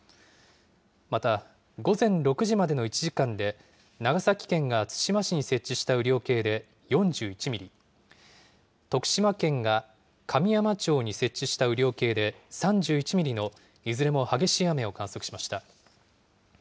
また、午前６時までの１時間で、長崎県が対馬市に設置した雨量計で４１ミリ、徳島県が神山町に設置した雨量計で３１ミリのいずれも激しい雨を観測しました。